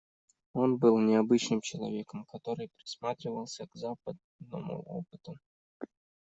Он был необычным человеком, который присматривался к западному опыту.